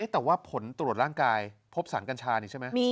แต่ว่าผลตรวจร่างกายพบสารกัญชานี่ใช่ไหม